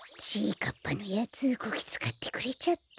かっぱのやつこきつかってくれちゃって。